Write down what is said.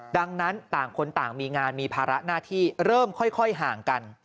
ดังนั้นต่างคนต่างมีงานมีภาระหน้าที่เริ่มค่อยห่างกัน